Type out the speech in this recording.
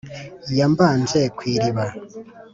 ya mbanje kw i riba